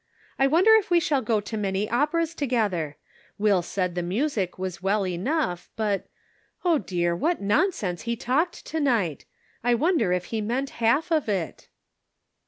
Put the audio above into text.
I wonder if we shall go to many operas together? Will said the music was well enough, but — Oh, dear, Measured by Daylight. 279 what nonsense he talked to night ! I wonder if he meant half of it